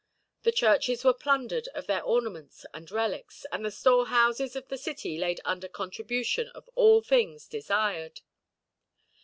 The churches were plundered of their ornaments and relics, and the storehouses of the city laid under contribution of all things desired.